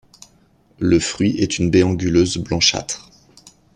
Le fruit est une baie anguleuse blanchâtre.